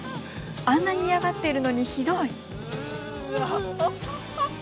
あんなに嫌がっているのにひどい。